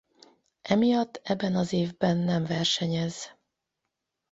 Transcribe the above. Emiatt eben az évben nem versenyez.